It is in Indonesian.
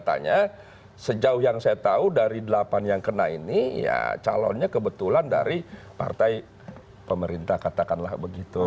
kayak ajuan kami adalah undang undang bahwa undang undang mengatakan seperti itu